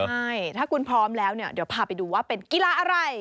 ใช่ถ้าคุณพร้อมแล้วเนี่ยเดี๋ยวพาไปดูว่าเป็นกีฬาอะไร